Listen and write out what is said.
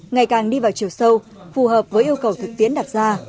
ngày càng đi vào chiều sâu phù hợp với yêu cầu thực tiễn đặt ra